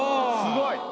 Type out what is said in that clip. すごい。